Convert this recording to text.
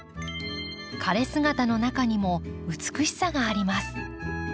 枯れ姿の中にも美しさがあります。